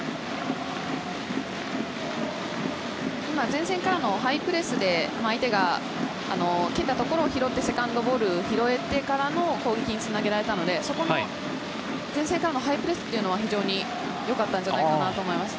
前線からのハイプレスで相手が蹴ったところを拾って、セカンドボールからの攻撃だったので、前線からのハイプレスは非常によかったんじゃないかと思います。